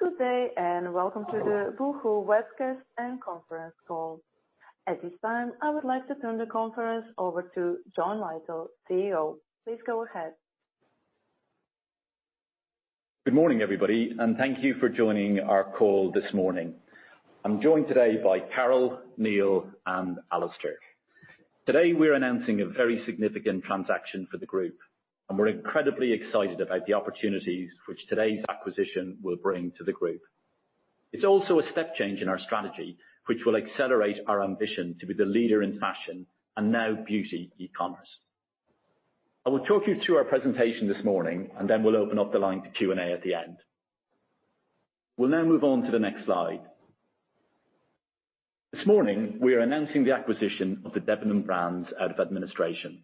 Good day, and welcome to the Boohoo webcast and conference call. At this time, I would like to turn the conference over to John Lyttle, CEO. Please go ahead. Good morning, everybody, and thank you for joining our call this morning. I'm joined today by Carol, Neil, and Alistair. Today, we're announcing a very significant transaction for the group, and we're incredibly excited about the opportunities which today's acquisition will bring to the group. It's also a step change in our strategy, which will accelerate our ambition to be the leader in fashion and now beauty e-commerce. I will talk you through our presentation this morning, and then we'll open up the line to Q&A at the end. We'll now move on to the next slide. This morning, we are announcing the acquisition of the Debenhams brands out of administration.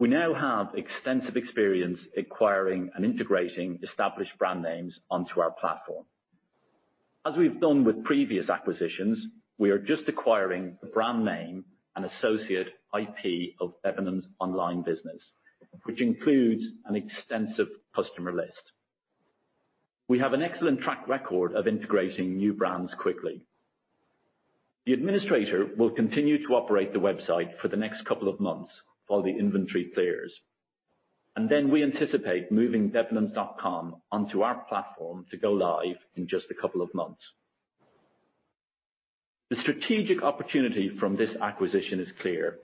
We now have extensive experience acquiring and integrating established brand names onto our platform. As we've done with previous acquisitions, we are just acquiring the brand name and associated IP of Debenhams online business, which includes an extensive customer list. We have an excellent track record of integrating new brands quickly. The administrator will continue to operate the website for the next couple of months while the inventory clears, and then we anticipate moving Debenhams.com onto our platform to go live in just a couple of months. The strategic opportunity from this acquisition is clear.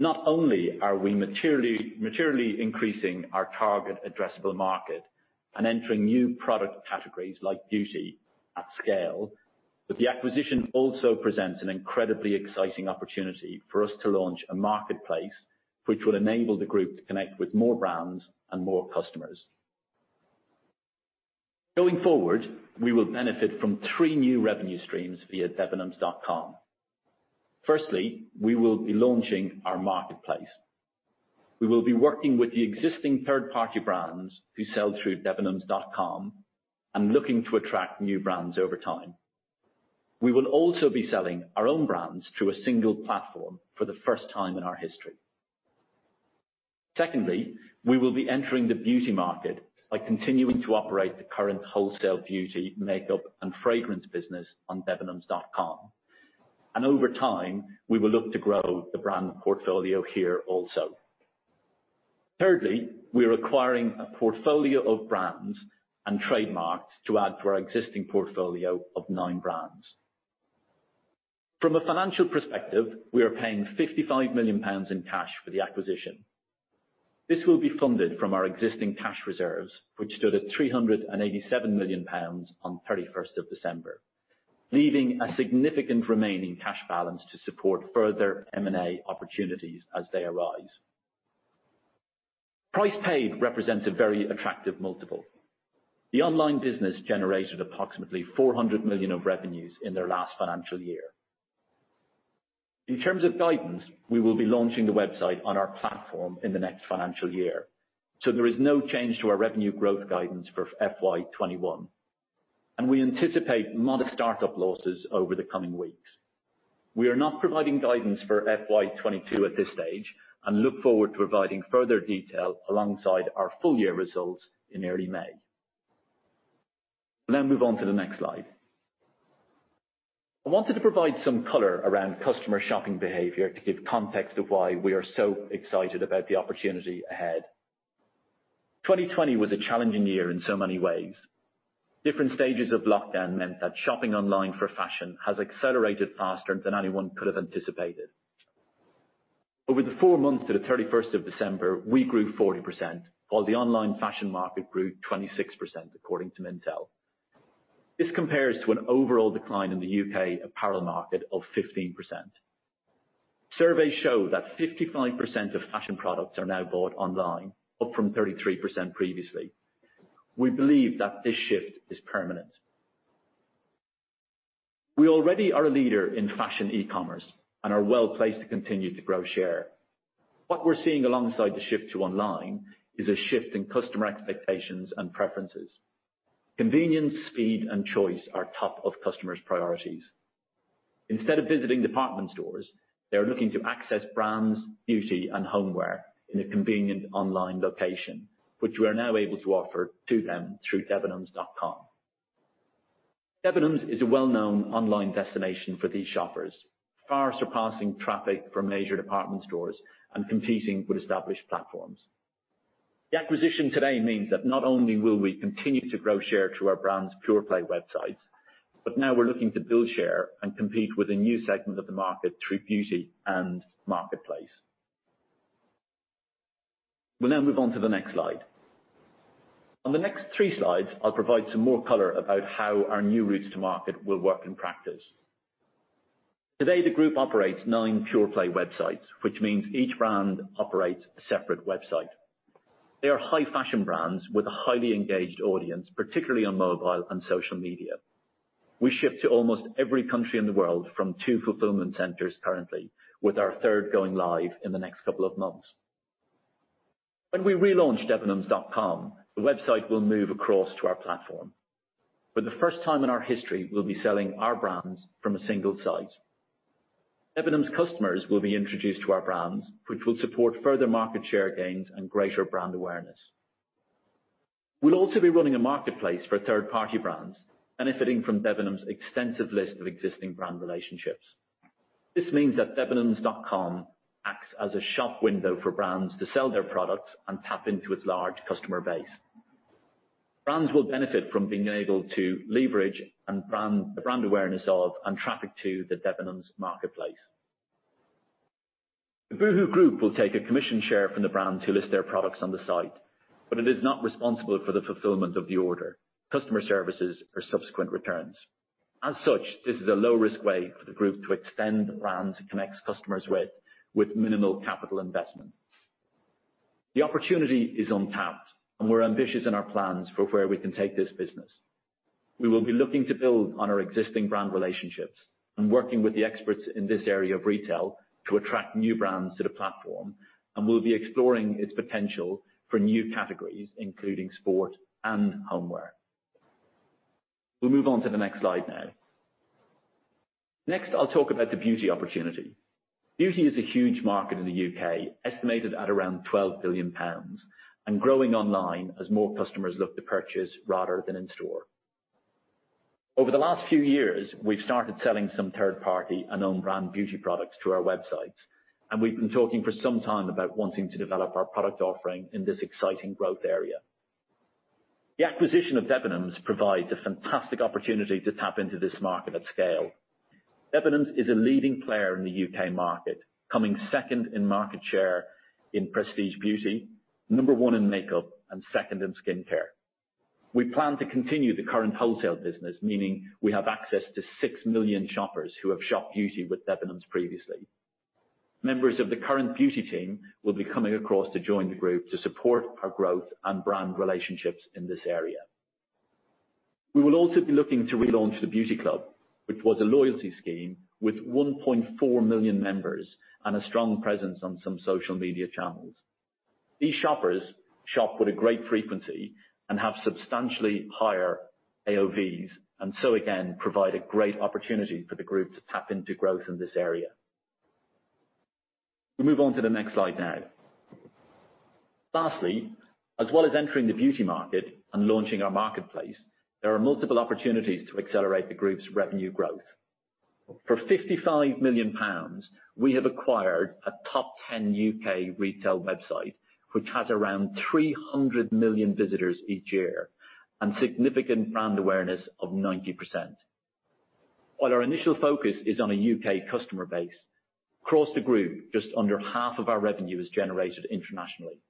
Not only are we materially, materially increasing our target addressable market and entering new product categories like beauty at scale, but the acquisition also presents an incredibly exciting opportunity for us to launch a marketplace which will enable the group to connect with more brands and more customers. Going forward, we will benefit from three new revenue streams via Debenhams.com. Firstly, we will be launching our marketplace. We will be working with the existing third-party brands who sell through Debenhams.com and looking to attract new brands over time. We will also be selling our own brands through a single platform for the first time in our history. Secondly, we will be entering the beauty market by continuing to operate the current wholesale beauty, makeup, and fragrance business on Debenhams.com. And over time, we will look to grow the brand portfolio here also. Thirdly, we're acquiring a portfolio of brands and trademarks to add to our existing portfolio of nine brands. From a financial perspective, we are paying 55 million pounds in cash for the acquisition. This will be funded from our existing cash reserves, which stood at 387 million pounds on 31st of December, leaving a significant remaining cash balance to support further M&A opportunities as they arise. Price paid represents a very attractive multiple. The online business generated approximately 400 million of revenues in their last financial year. In terms of guidance, we will be launching the website on our platform in the next financial year, so there is no change to our revenue growth guidance for FY 2021, and we anticipate modest start-up losses over the coming weeks. We are not providing guidance for FY 2022 at this stage and look forward to providing further detail alongside our full year results in early May. We'll now move on to the next slide. I wanted to provide some color around customer shopping behavior to give context of why we are so excited about the opportunity ahead. 2020 was a challenging year in so many ways. Different stages of lockdown meant that shopping online for fashion has accelerated faster than anyone could have anticipated. Over the 4 months to the 31st of December, we grew 40%, while the online fashion market grew 26%, according to Mintel. This compares to an overall decline in the U.K. apparel market of 15%. Surveys show that 55% of fashion products are now bought online, up from 33% previously. We believe that this shift is permanent. We already are a leader in fashion e-commerce and are well placed to continue to grow share. What we're seeing alongside the shift to online is a shift in customer expectations and preferences. Convenience, speed, and choice are top of customers' priorities. Instead of visiting department stores, they are looking to access brands, beauty, and homeware in a convenient online location, which we are now able to offer to them through Debenhams.com. Debenhams is a well-known online destination for these shoppers, far surpassing traffic from major department stores and competing with established platforms. The acquisition today means that not only will we continue to grow share through our brand's pure-play websites, but now we're looking to build share and compete with a new segment of the market through beauty and marketplace. We'll now move on to the next slide. On the next three slides, I'll provide some more color about how our new routes to market will work in practice. Today, the group operates nine pure-play websites, which means each brand operates a separate website. They are high-fashion brands with a highly engaged audience, particularly on mobile and social media. We ship to almost every country in the world from two fulfillment centers currently, with our third going live in the next couple of months. When we relaunch Debenhams.com, the website will move across to our platform. For the first time in our history, we'll be selling our brands from a single site. Debenhams' customers will be introduced to our brands, which will support further market share gains and greater brand awareness. We'll also be running a marketplace for third-party brands, benefiting from Debenhams' extensive list of existing brand relationships. This means that Debenhams.com acts as a shop window for brands to sell their products and tap into its large customer base. Brands will benefit from being able to leverage and brand -- the brand awareness of and traffic to the Debenhams marketplace. The Boohoo Group will take a commission share from the brands who list their products on the site, but it is not responsible for the fulfillment of the order, customer services or subsequent returns. As such, this is a low-risk way for the group to extend the brands it connects customers with, with minimal capital investment. The opportunity is untapped, and we're ambitious in our plans for where we can take this business. We will be looking to build on our existing brand relationships and working with the experts in this area of retail to attract new brands to the platform, and we'll be exploring its potential for new categories, including sport and homeware. We'll move on to the next slide now. Next, I'll talk about the beauty opportunity. Beauty is a huge market in the U.K., estimated at around 12 billion pounds, and growing online as more customers look to purchase rather than in store. Over the last few years, we've started selling some third-party and own brand beauty products through our websites, and we've been talking for some time about wanting to develop our product offering in this exciting growth area. The acquisition of Debenhams provides a fantastic opportunity to tap into this market at scale. Debenhams is a leading player in the U.K. market, coming second in market share in prestige beauty, number one in makeup, and second in skincare. We plan to continue the current wholesale business, meaning we have access to 6 million shoppers who have shopped beauty with Debenhams previously. Members of the current beauty team will be coming across to join the group to support our growth and brand relationships in this area. We will also be looking to relaunch the Beauty Club, which was a loyalty scheme with 1.4 million members and a strong presence on some social media channels. These shoppers shop with a great frequency and have substantially higher AOVs, and so again, provide a great opportunity for the group to tap into growth in this area. We'll move on to the next slide now. Lastly, as well as entering the beauty market and launching our marketplace, there are multiple opportunities to accelerate the group's revenue growth. For 55 million pounds, we have acquired a top 10 U.K. retail website, which has around 300 million visitors each year and significant brand awareness of 90%. While our initial focus is on a U.K. customer base, across the group, just under half of our revenue is generated internationally,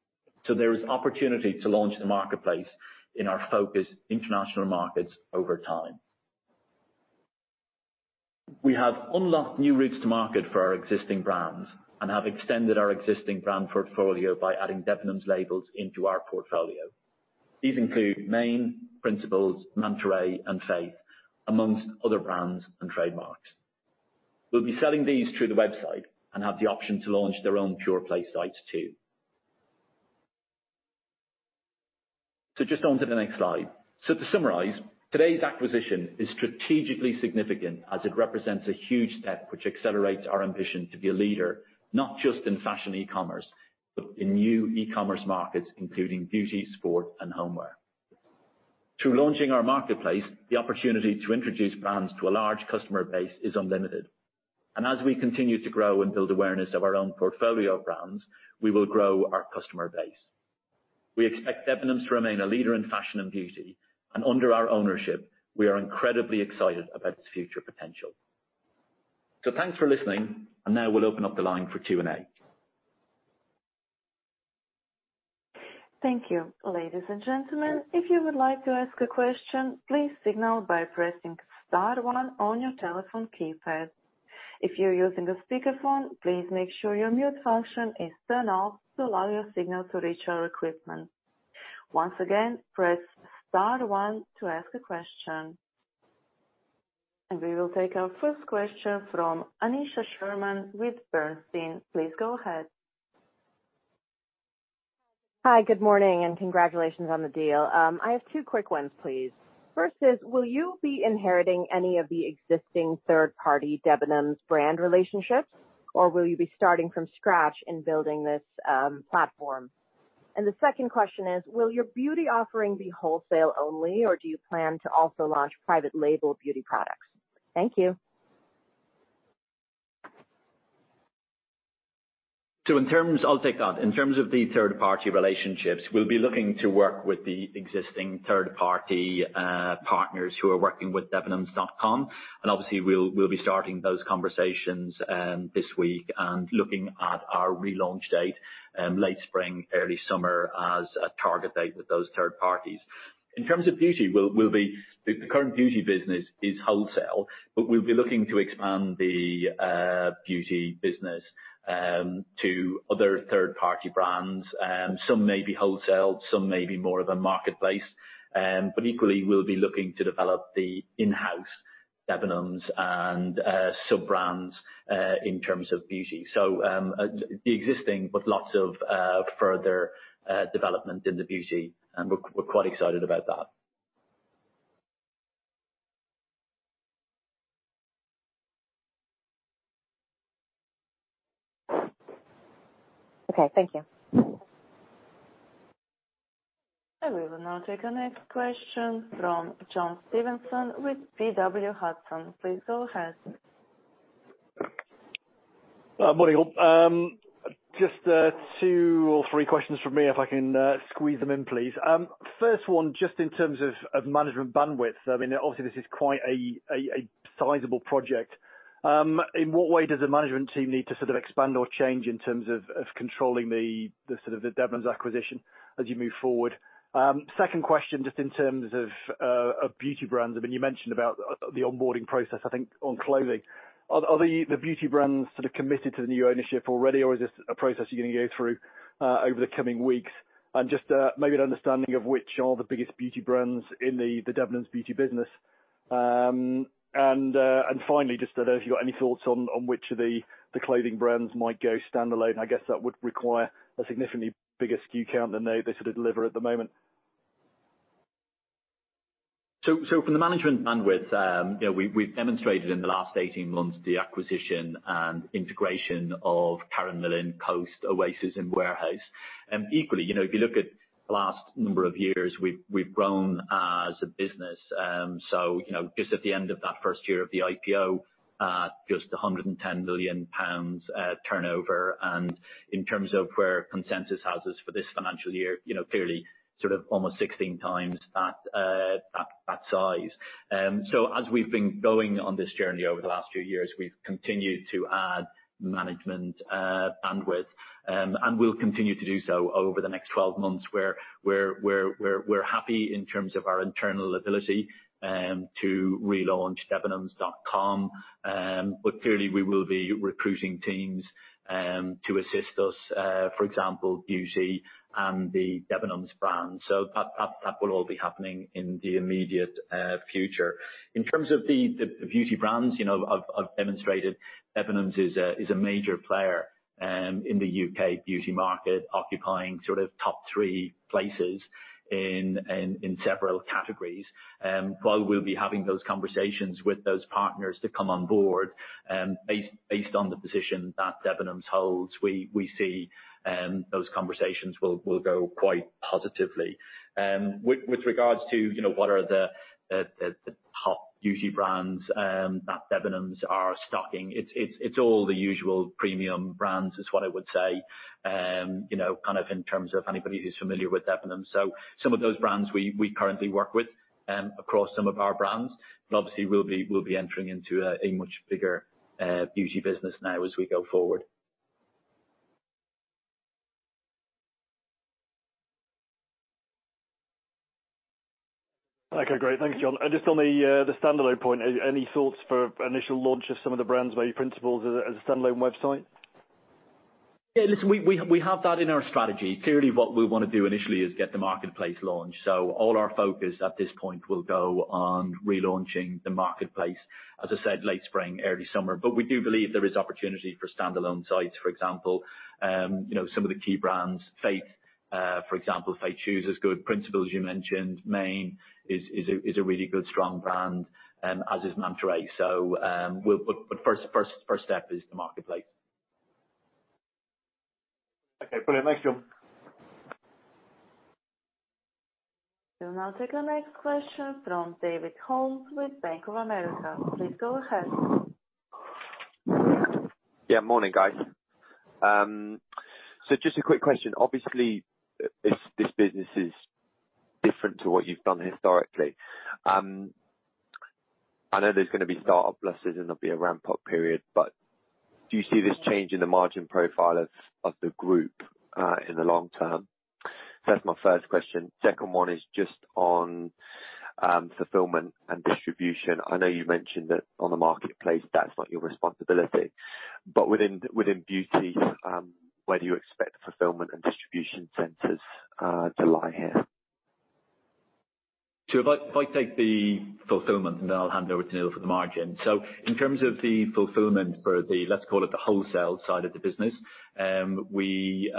so there is opportunity to launch the marketplace in our focus international markets over time. We have unlocked new routes to market for our existing brands and have extended our existing brand portfolio by adding Debenhams labels into our portfolio. These include Maine, Principles, Mantaray, and Faith, among other brands and trademarks. We'll be selling these through the website and have the option to launch their own pure-play sites, too. So just on to the next slide. So to summarize, today's acquisition is strategically significant as it represents a huge step which accelerates our ambition to be a leader, not just in fashion e-commerce, but in new e-commerce markets, including beauty, sport, and homeware. Through launching our marketplace, the opportunity to introduce brands to a large customer base is unlimited. And as we continue to grow and build awareness of our own portfolio of brands, we will grow our customer base. We expect Debenhams to remain a leader in fashion and beauty, and under our ownership, we are incredibly excited about its future potential. So thanks for listening, and now we'll open up the line for Q&A. Thank you. Ladies and gentlemen, if you would like to ask a question, please signal by pressing star one on your telephone keypad. If you're using a speakerphone, please make sure your mute function is turned off to allow your signal to reach our equipment. Once again, press star one to ask a question. We will take our first question from Aneesha Sherman with Bernstein. Please go ahead. Hi, good morning, and congratulations on the deal. I have two quick ones, please. First is, will you be inheriting any of the existing third-party Debenhams brand relationships, or will you be starting from scratch in building this platform? And the second question is, will your beauty offering be wholesale only, or do you plan to also launch private label beauty products? Thank you. So in terms, I'll take that. In terms of the third-party relationships, we'll be looking to work with the existing third-party partners who are working with Debenhams.com, and obviously, we'll be starting those conversations this week and looking at our relaunch date, late spring, early summer as a target date with those third parties. In terms of beauty, we'll be the current beauty business is wholesale, but we'll be looking to expand the beauty business to other third-party brands. Some may be wholesale, some may be more of a marketplace, but equally, we'll be looking to develop the in-house Debenhams and sub-brands in terms of beauty. So, the existing, but lots of further development in the beauty, and we're quite excited about that. ... Okay, thank you. I will now take the next question from John Stevenson with Peel Hunt. Please go ahead. Morning all. Just two or three questions from me, if I can squeeze them in, please. First one, just in terms of management bandwidth, I mean, obviously, this is quite a sizable project. In what way does the management team need to sort of expand or change in terms of controlling the Debenhams acquisition as you move forward? Second question, just in terms of beauty brands, I mean, you mentioned about the onboarding process, I think, on clothing. Are the beauty brands sort of committed to the new ownership already, or is this a process you're gonna go through over the coming weeks? And just maybe an understanding of which are the biggest beauty brands in the Debenhams beauty business. And finally, just, I don't know if you've got any thoughts on which of the clothing brands might go standalone. I guess that would require a significantly bigger SKU count than they sort of deliver at the moment. So from the management bandwidth, you know, we've demonstrated in the last 18 months the acquisition and integration of Karen Millen, Coast, Oasis, and Warehouse. Equally, you know, if you look at the last number of years, we've grown as a business. So, you know, just at the end of that first year of the IPO, just 110 million pounds turnover, and in terms of where consensus has us for this financial year, you know, clearly, sort of almost 16 times that size. So as we've been going on this journey over the last few years, we've continued to add management bandwidth. And we'll continue to do so over the next 12 months, where we're happy in terms of our internal ability to relaunch Debenhams.com. But clearly, we will be recruiting teams to assist us, for example, beauty and the Debenhams brand. So that will all be happening in the immediate future. In terms of the beauty brands, you know, I've demonstrated Debenhams is a major player in the U.K. beauty market, occupying sort of top three places in several categories. While we'll be having those conversations with those partners to come on board, based on the position that Debenhams holds, we see those conversations will go quite positively. With regards to, you know, what are the top beauty brands that Debenhams are stocking? It's all the usual premium brands, is what I would say. You know, kind of in terms of anybody who's familiar with Debenhams. So some of those brands we currently work with across some of our brands, and obviously we'll be entering into a much bigger beauty business now as we go forward. Okay, great. Thank you, John. And just on the standalone point, any thoughts for initial launch of some of the brands by Principles as a standalone website? Yeah, listen, we have that in our strategy. Clearly, what we want to do initially is get the marketplace launched. So all our focus at this point will go on relaunching the marketplace, as I said, late spring, early summer. But we do believe there is opportunity for standalone sites, for example, you know, some of the key brands, Faith, for example, Faith shoes as good. Principles, you mentioned, Maine is a really good, strong brand, as is Mantaray. So, but first step is the marketplace. Okay, brilliant. Thank you. We'll now take the next question from David Holmes with Bank of America. Please go ahead. Yeah. Morning, guys. So just a quick question. Obviously, this business is different to what you've done historically. I know there's gonna be start-up losses, and there'll be a ramp-up period, but do you see this changing the margin profile of the group in the long term? That's my first question. Second one is just on fulfillment and distribution. I know you mentioned that on the marketplace, that's not your responsibility, but within beauty, where do you expect fulfillment and distribution centers to lie here? Sure. If I take the fulfillment, and then I'll hand over to Neil for the margin. So in terms of the fulfillment for the... let's call it, the wholesale side of the business, we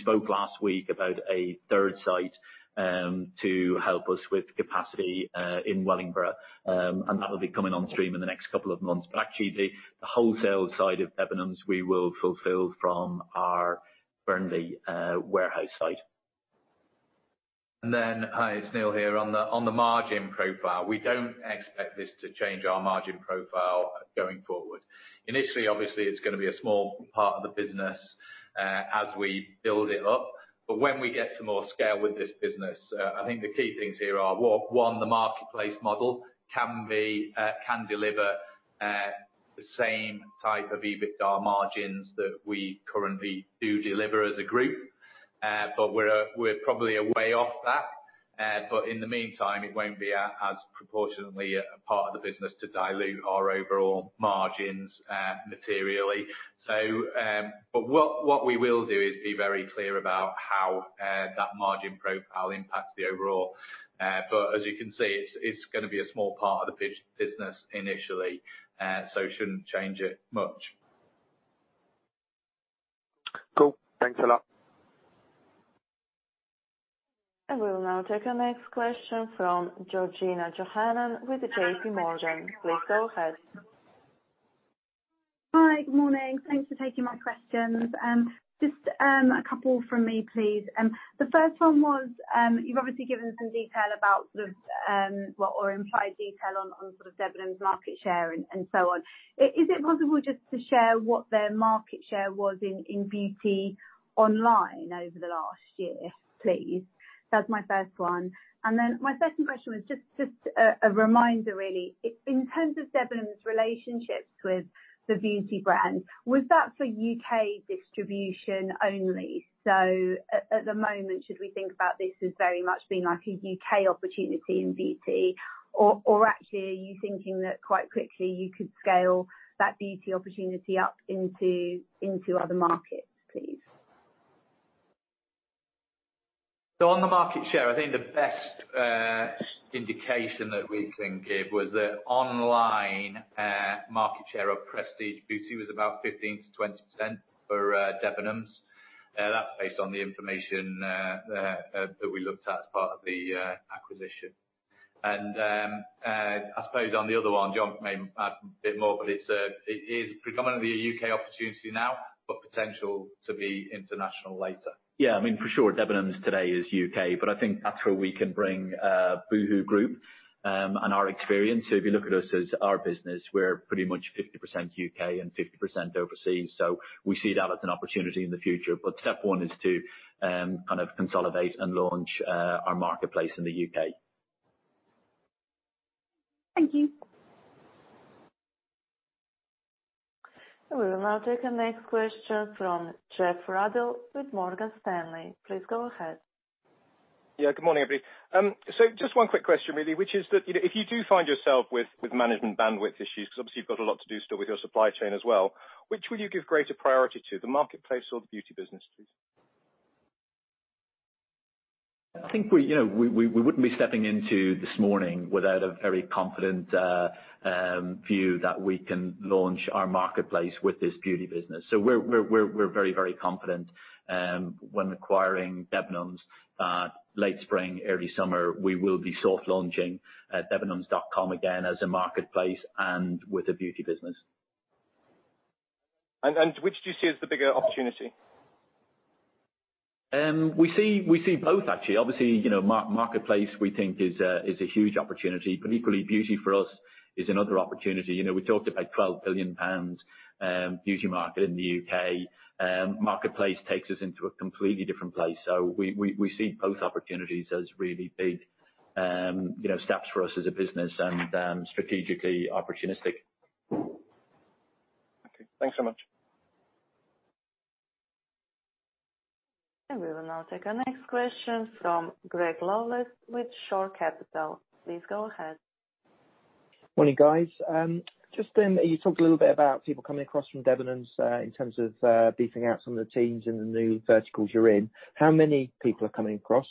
spoke last week about a third site to help us with capacity in Wellingborough. And that'll be coming on stream in the next couple of months. But actually, the wholesale side of Debenhams, we will fulfill from our Burnley warehouse site. And then, hi, it's Neil here. On the margin profile, we don't expect this to change our margin profile going forward. Initially, obviously, it's gonna be a small part of the business, as we build it up, but when we get to more scale with this business, I think the key things here are, one, the marketplace model can deliver the same type of EBITDA margins that we currently do deliver as a group. But we're probably a way off that, but in the meantime, it won't be as proportionately a part of the business to dilute our overall margins materially. But what we will do is be very clear about how that margin profile impacts the overall. But as you can see, it's gonna be a small part of the business initially, so it shouldn't change it much.... Thanks a lot. We'll now take our next question from Georgina Johanan with JPMorgan. Please go ahead. Hi, good morning. Thanks for taking my questions. Just a couple from me, please. The first one was, you've obviously given some detail about the, well, or implied detail on sort of Debenhams' market share and so on. Is it possible just to share what their market share was in beauty online over the last year, please? That's my first one. And then my second question was just a reminder, really. In terms of Debenhams' relationships with the beauty brands, was that for U.K. distribution only? So at the moment, should we think about this as very much being like a U.K. opportunity in beauty, or actually, are you thinking that quite quickly you could scale that beauty opportunity up into other markets, please? So on the market share, I think the best indication that we can give was that online market share of prestige beauty was about 15%-20% for Debenhams. That's based on the information that we looked at as part of the acquisition. I suppose on the other one, John may add a bit more, but it is predominantly a U.K. opportunity now, but potential to be international later. Yeah, I mean, for sure, Debenhams today is U.K., but I think that's where we can bring Boohoo Group and our experience. So if you look at us as our business, we're pretty much 50% U.K. and 50% overseas, so we see that as an opportunity in the future. But step one is to kind of consolidate and launch our marketplace in the U.K. Thank you. We will now take the next question from Geoff Ruddell with Morgan Stanley. Please go ahead. Yeah, good morning, everybody. So just one quick question, really, which is that, you know, if you do find yourself with management bandwidth issues, because obviously you've got a lot to do still with your supply chain as well, which will you give greater priority to, the marketplace or the beauty business, please? I think we, you know, we wouldn't be stepping into this morning without a very confident view that we can launch our marketplace with this beauty business. So we're very confident when acquiring Debenhams late spring, early summer, we will be soft launching Debenhams.com again as a marketplace and with the beauty business. And which do you see as the bigger opportunity? We see both actually. Obviously, you know, marketplace, we think is a huge opportunity, but equally, beauty for us is another opportunity. You know, we talked about 12 billion pounds beauty market in the U.K., marketplace takes us into a completely different place. So we see both opportunities as really big steps for us as a business and strategically opportunistic. Okay, thanks so much. We will now take our next question from Greg Lawless with Shore Capital. Please go ahead. Morning, guys. Just then, you talked a little bit about people coming across from Debenhams, in terms of beefing up some of the teams in the new verticals you're in. How many people are coming across?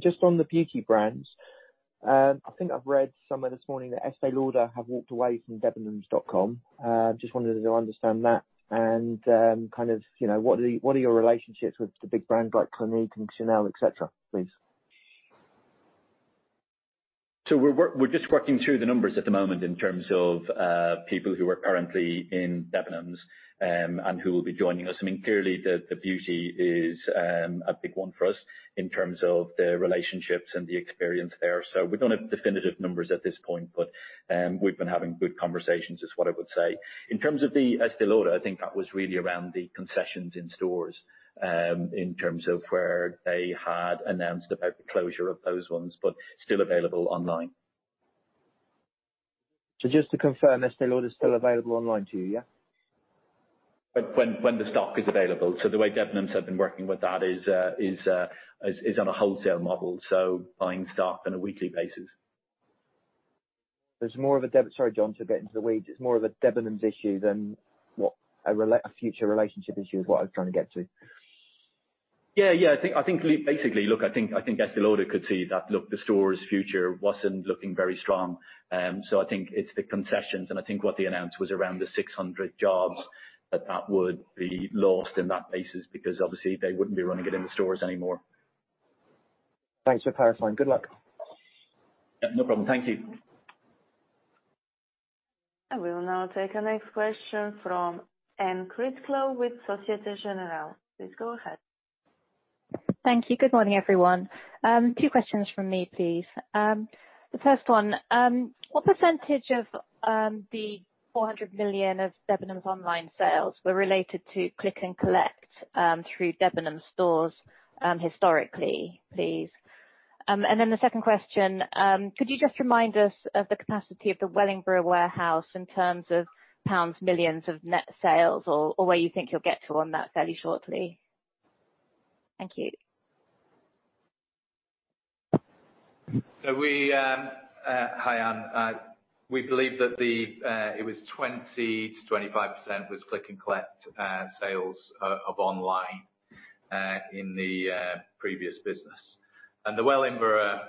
Just on the beauty brands, I think I've read somewhere this morning that Estée Lauder have walked away from Debenhams.com. Just wanted to understand that and, kind of, you know, what are the, what are your relationships with the big brands like Clinique and Chanel, et cetera, please? So we're just working through the numbers at the moment in terms of people who are currently in Debenhams, and who will be joining us. I mean, clearly the beauty is a big one for us in terms of the relationships and the experience there. So we don't have definitive numbers at this point, but we've been having good conversations, is what I would say. In terms of the Estée Lauder, I think that was really around the concessions in stores, in terms of where they had announced about the closure of those ones, but still available online. Just to confirm, Estée Lauder is still available online to you, yeah? When the stock is available. So the way Debenhams have been working with that is on a wholesale model, so buying stock on a weekly basis. There's more of a Debenhams, sorry, John, to get into the weeds. It's more of a Debenhams issue than, what, a future relationship issue, is what I was trying to get to. Yeah, yeah, I think, I think basically, look, I think, I think Estée Lauder could see that, look, the store's future wasn't looking very strong. So I think it's the concessions, and I think what they announced was around the 600 jobs, that that would be lost in that basis, because obviously they wouldn't be running it in the stores anymore. Thanks for clarifying. Good luck. Yeah, no problem. Thank you. I will now take our next question from Anne Critchlow with Société Générale. Please go ahead. Thank you. Good morning, everyone. Two questions from me, please. The first one, what percentage of the 400 million of Debenhams' online sales were related to click-and-collect through Debenhams stores historically, please? And then the second question, could you just remind us of the capacity of the Wellingborough warehouse in terms of pounds millions of net sales, or where you think you'll get to on that fairly shortly? Thank you. So we hi, Anne, we believe that it was 20%-25% click-and-collect sales of online in the previous business. And the Wellingborough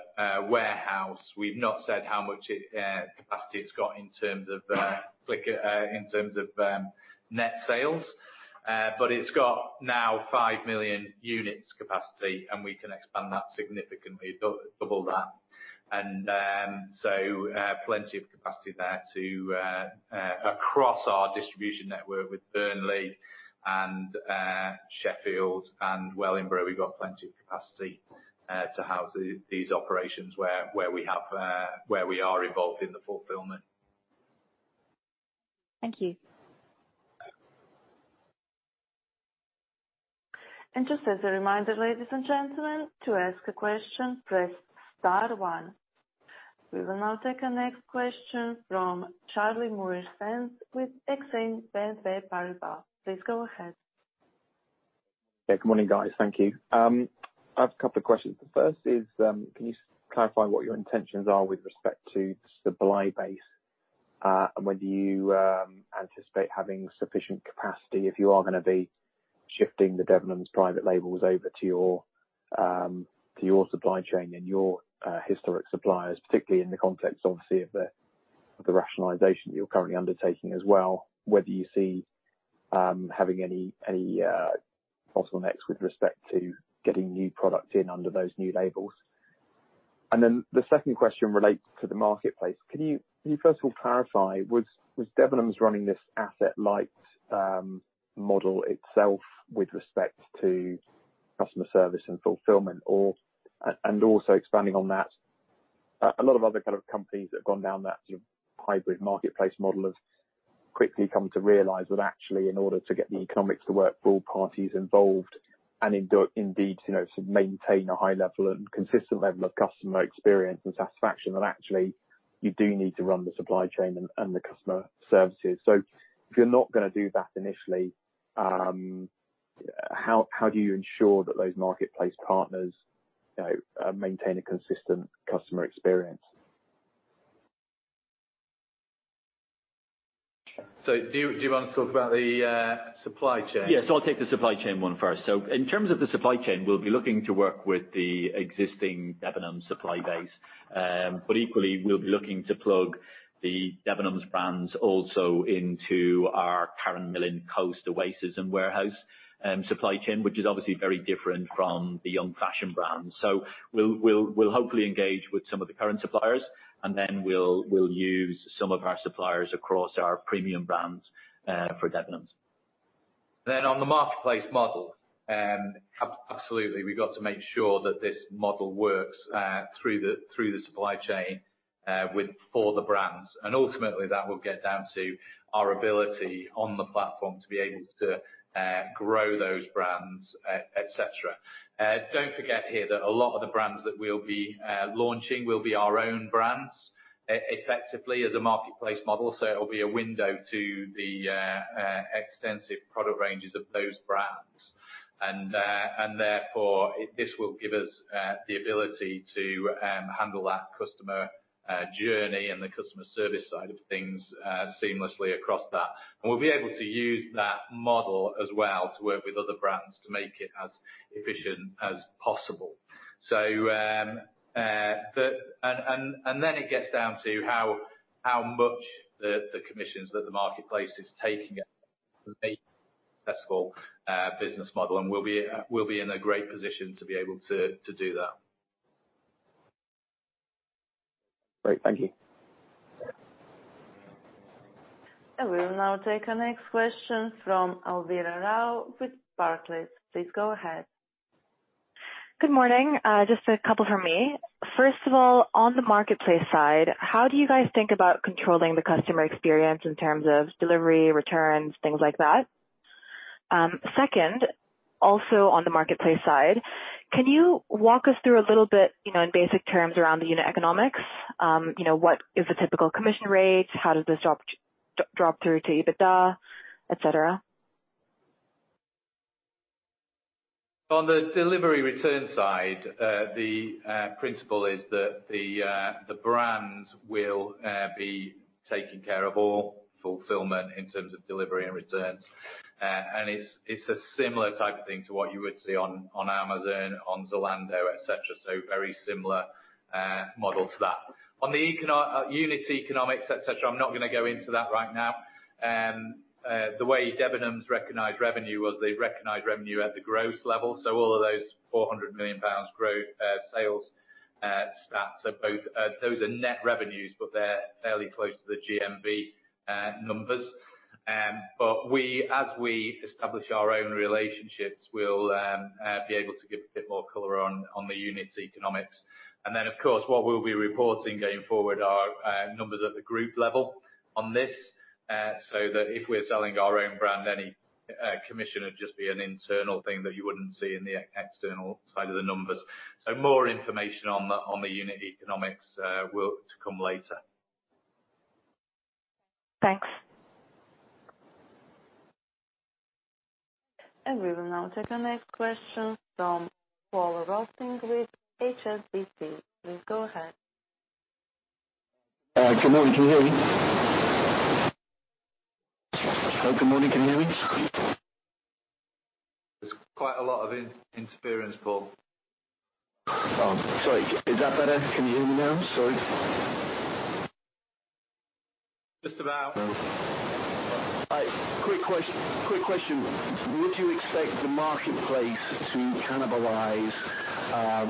warehouse, we've not said how much capacity it's got in terms of click-and-collect in terms of net sales. But it's got now 5 million units capacity, and we can expand that significantly, double that. And so plenty of capacity there to across our distribution network with Burnley and Sheffield and Wellingborough, we've got plenty of capacity to house these operations where we are involved in the fulfillment. Thank you. Just as a reminder, ladies and gentlemen, to ask a question, press star one. We will now take our next question from Charlie Muir-Sands with Exane BNP Paribas. Please go ahead. Yeah. Good morning, guys. Thank you. I have a couple of questions. The first is, can you clarify what your intentions are with respect to supply base? And whether you anticipate having sufficient capacity if you are gonna be shifting the Debenhams private labels over to your supply chain and your historic suppliers, particularly in the context, obviously, of the rationalization you're currently undertaking as well, whether you see having any bottlenecks with respect to getting new product in under those new labels? And then the second question relates to the marketplace. Can you first of all clarify, was Debenhams running this asset-light model itself with respect to customer service and fulfillment, or... And also expanding on that, a lot of other kind of companies that have gone down that sort of hybrid marketplace model have quickly come to realize that actually, in order to get the economics to work for all parties involved, and indeed, you know, to maintain a high level and consistent level of customer experience and satisfaction, that actually you do need to run the supply chain and the customer services. So if you're not gonna do that initially, how do you ensure that those marketplace partners, you know, maintain a consistent customer experience? Do you, do you want to talk about the supply chain? Yes, I'll take the supply chain one first. So in terms of the supply chain, we'll be looking to work with the existing Debenhams supply base. But equally, we'll be looking to plug the Debenhams brands also into our Karen Millen, Coast, Oasis, and Warehouse supply chain, which is obviously very different from the young fashion brands. So we'll hopefully engage with some of the current suppliers, and then we'll use some of our suppliers across our premium brands for Debenhams. Then on the marketplace model, absolutely, we've got to make sure that this model works through the supply chain with all the brands. And ultimately, that will get down to our ability on the platform to be able to grow those brands, et cetera. Don't forget here that a lot of the brands that we'll be launching will be our own brands, effectively, as a marketplace model, so it'll be a window to the extensive product ranges of those brands. And therefore, this will give us the ability to handle that customer journey and the customer service side of things seamlessly across that. And we'll be able to use that model as well to work with other brands to make it as efficient as possible. So, and then it gets down to how much the commissions that the marketplace is taking successful business model, and we'll be in a great position to be able to do that. Great. Thank you. We will now take our next question from Alvira Rao with Barclays. Please go ahead. Good morning. Just a couple from me. First of all, on the marketplace side, how do you guys think about controlling the customer experience in terms of delivery, returns, things like that? Second, also on the marketplace side, can you walk us through a little bit, you know, in basic terms around the unit economics? You know, what is the typical commission rates? How does this drop through to EBITDA, et cetera? On the delivery return side, the principle is that the brands will be taking care of all fulfillment in terms of delivery and returns. And it's a similar type of thing to what you would see on Amazon, on Zalando, et cetera, so very similar model to that. On the unit economics, et cetera, I'm not gonna go into that right now. The way Debenhams recognized revenue was they recognized revenue at the gross level, so all of those 400 million pounds gross sales stats are both, those are net revenues, but they're fairly close to the GMV numbers. But as we establish our own relationships, we'll be able to give a bit more color on the unit economics. And then, of course, what we'll be reporting going forward are numbers at the group level on this, so that if we're selling our own brand, any commission would just be an internal thing that you wouldn't see in the external side of the numbers. So more information on the unit economics will come later. Thanks. We will now take the next question from Paul Rossington with HSBC. Please go ahead. Good morning, can you hear me?... There's quite a lot of in-interference, Paul. Sorry, is that better? Can you hear me now? Sorry. Just about. All right. Quick question, quick question. Would you expect the marketplace to cannibalize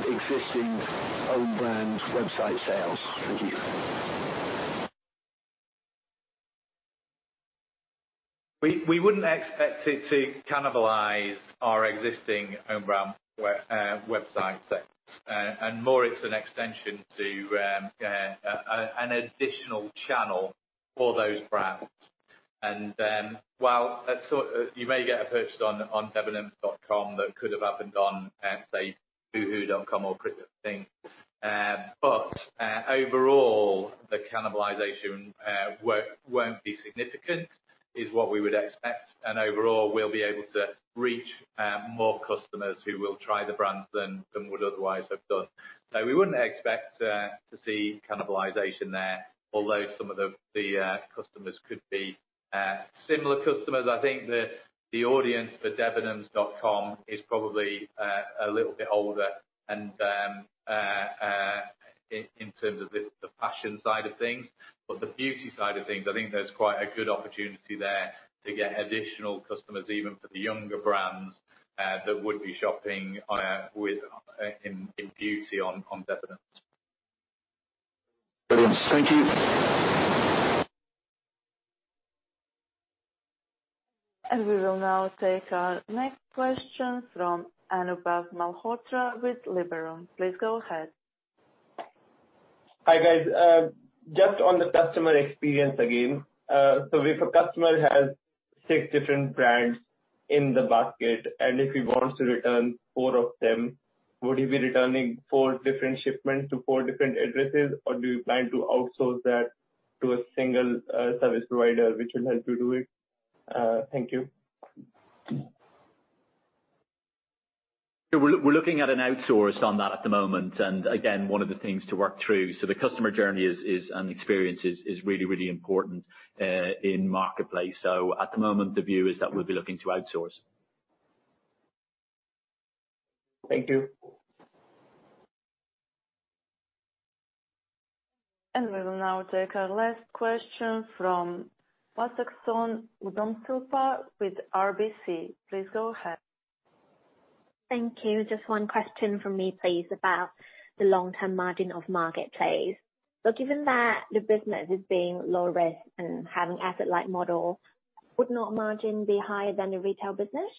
existing own brand website sales? Thank you. We wouldn't expect it to cannibalize our existing own brand web website sales. And more, it's an extension to an additional channel for those brands. And then, while that's so, you may get a purchase on Debenhams.com that could have up and gone at, say, Boohoo.com or PrettyLittleThing. But overall, the cannibalization won't be significant, is what we would expect. And overall, we'll be able to reach more customers who will try the brands than would otherwise have done. So we wouldn't expect to see cannibalization there, although some of the customers could be similar customers. I think the audience for Debenhams.com is probably a little bit older and in terms of the fashion side of things. But the beauty side of things, I think there's quite a good opportunity there to get additional customers, even for the younger brands that would be shopping in beauty on Debenhams. Brilliant. Thank you. We will now take our next question from Anubhav Malhotra with Liberum. Please go ahead. Hi, guys. Just on the customer experience again. So if a customer has six different brands in the basket, and if he wants to return four of them, would he be returning four different shipments to four different addresses? Or do you plan to outsource that to a single, service provider, which will help you do it? Thank you. So we're looking at an outsource on that at the moment, and again, one of the things to work through. So the customer journey is - and the experience is really, really important in marketplace. So at the moment, the view is that we'll be looking to outsource. Thank you. We will now take our last question from Wassachon Udomsilpa with RBC. Please go ahead. Thank you. Just one question from me, please, about the long-term margin of marketplace. Given that the business is being low risk and having asset-light model, would not margin be higher than the retail business?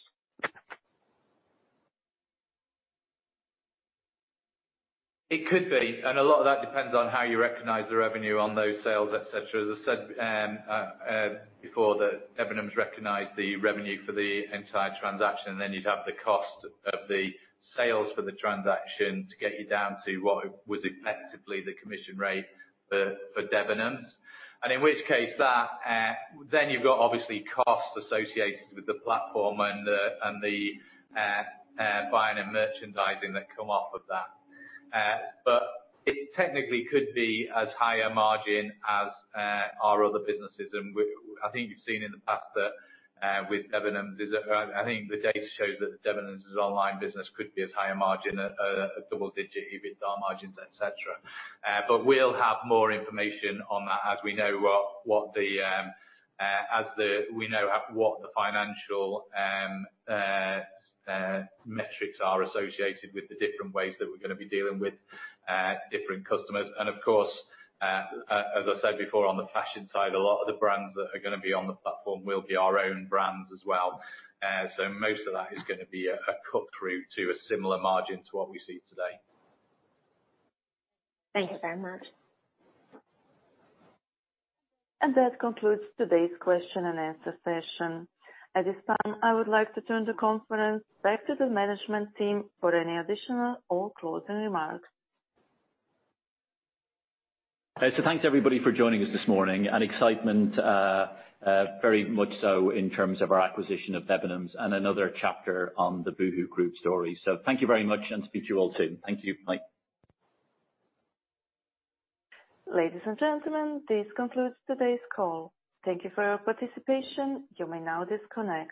It could be, and a lot of that depends on how you recognize the revenue on those sales, et cetera. As I said, before, that Debenhams recognize the revenue for the entire transaction, and then you'd have the cost of the sales for the transaction to get you down to what would effectively the commission rate for, for Debenhams. And in which case that, then you've got obviously costs associated with the platform and the, and the, buying and merchandising that come off of that. But it technically could be as higher margin as, our other businesses. And I think you've seen in the past that, with Debenhams, is that... I think the data shows that the Debenhams' online business could be as higher margin, a double-digit EBITDA margins, et cetera. But we'll have more information on that as we know what the financial metrics are associated with the different ways that we're going to be dealing with different customers. And of course, as I said before, on the fashion side, a lot of the brands that are going to be on the platform will be our own brands as well. So most of that is going to be a cut-through to a similar margin to what we see today. Thank you very much. That concludes today's question and answer session. At this time, I would like to turn the conference back to the management team for any additional or closing remarks. So thanks, everybody, for joining us this morning, and excitement, very much so in terms of our acquisition of Debenhams and another chapter on the Boohoo Group story. So thank you very much, and speak to you all soon. Thank you. Bye. Ladies and gentlemen, this concludes today's call. Thank you for your participation. You may now disconnect.